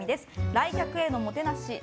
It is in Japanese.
来客へのおもてなし。